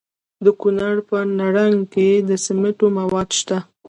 د کونړ په نرنګ کې د سمنټو مواد شته.